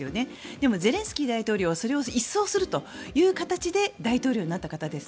でも、ゼレンスキー大統領はそれを一掃するという形で大統領になった方です。